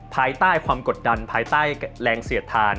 ภายใต้ความกดดันภายใต้แรงเสียดทาน